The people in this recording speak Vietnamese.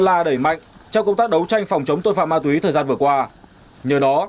la đẩy mạnh trong công tác đấu tranh phòng chống tội phạm ma túy thời gian vừa qua nhờ đó